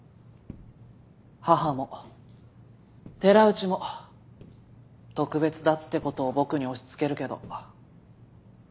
母も寺内も特別だってことを僕に押しつけるけど。